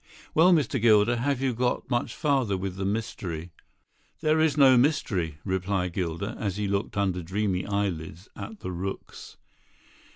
"Well, Mr. Gilder, have you got much farther with the mystery?" "There is no mystery," replied Gilder, as he looked under dreamy eyelids at the rooks.